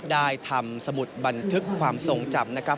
ได้ทำสมุดบันทึกความทรงจำนะครับ